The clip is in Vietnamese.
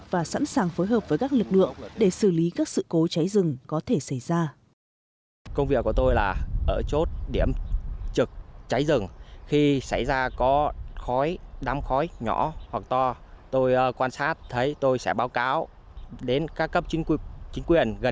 và sẵn sàng phối hợp với các lực lượng để xử lý các sự cố cháy rừng có thể xảy ra